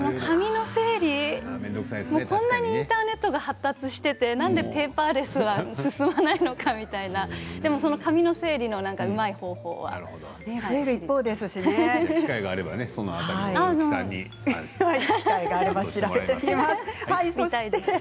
こんなにインターネットが発達していてなんでペーパーレスは進まないのかと紙の整理のうまい方法はないか。